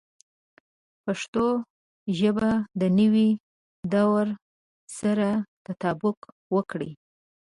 پښتو ژبه د نوي دور سره تطابق وکړي.